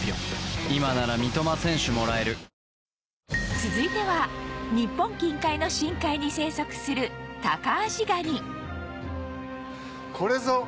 続いては日本近海の深海に生息するタカアシガニ